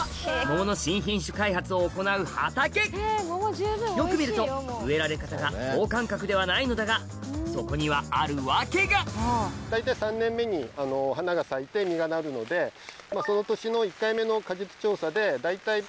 ここはよく見ると植えられ方が等間隔ではないのだがそこにはある訳が大体３年目に花が咲いて実がなるのでその年の１回目の果実調査で大体。